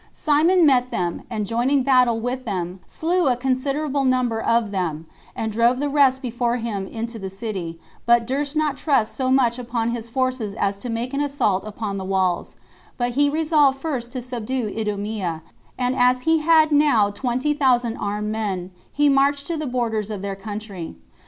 Simon met them, and joining battle with them, slew a considerable number of them, and drove the rest before him into the city, but durst not trust so much upon his forces as to make an assault upon the walls; but he resolved first to subdue Idumea, and as he had now twenty thousand armed men, he marched to the borders of their country.